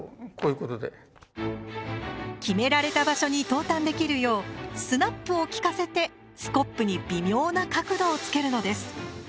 決められた場所に投炭できるようスナップを利かせてスコップに微妙な角度をつけるのです。